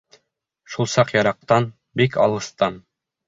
Шул саҡ йыраҡтан, бик алыҫтан: